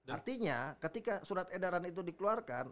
artinya ketika surat edaran itu dikeluarkan